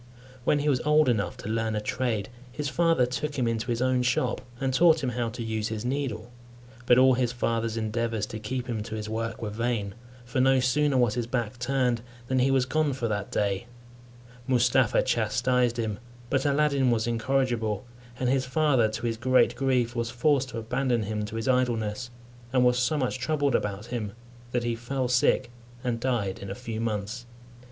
When he was old enough to learn a trade, his father took him into his own shop, and taught him how to use his needle; but all his father's endeavours to keep him to his work were vain, for no sooner was his back turned, than he was gone for that day, Mustapha chastised him, but Aladdin was incorrigible, and his father, to his great grief, was forced to abandon him to his idleness; and was so much troubled about him, that he fell sick and died in a few months.